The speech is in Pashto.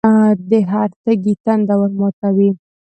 د هر تږي تنده ورماتوي.